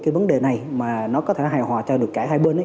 cái vấn đề này mà nó có thể hài hòa cho được cả hai bên